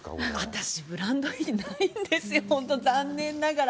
私、ブランド品ってないんですよ、本当残念ながら。